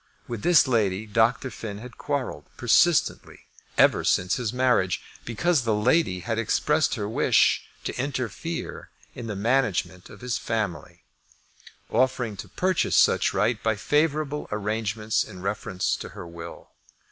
With this lady Dr. Finn had quarrelled persistently ever since his marriage, because the lady had expressed her wish to interfere in the management of his family, offering to purchase such right by favourable arrangements in reference to her will.